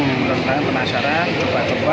aku merasa penasaran coba coba